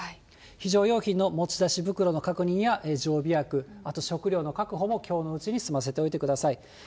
非常用品の持ち出し袋の確認や常備薬、あと食料の確保もきょうのうちに済ませておいてください。